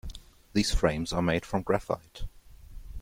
These frames are made from graphite.